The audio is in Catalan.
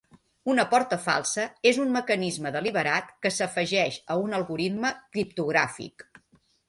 Una porta falsa és un mecanisme deliberat que s'afegeix a un algoritme criptogràfic.